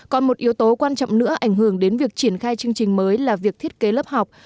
còn một yếu tố quan trọng nữa ảnh hưởng đến việc triển khai chương trình mới là việc thiết kế lớp học